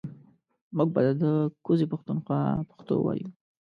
مونږ به ده ده کوزې پښتونخوا پښتو وايو